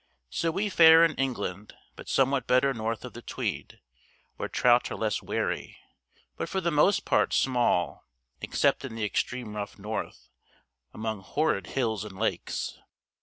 So we fare in England, but somewhat better north of the Tweed, where trout are less wary, but for the most part small, except in the extreme rough north, among horrid hills and lakes.